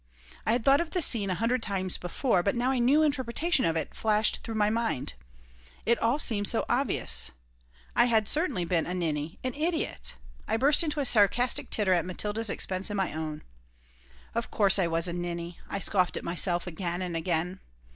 I had thought of the scene a hundred times before, but now a new interpretation of it flashed through my mind. It all seemed so obvious. I certainly had been a ninny, an idiot. I burst into a sarcastic titter at Matilda's expense and my own "Of course I was a ninny," I scoffed at myself again and again.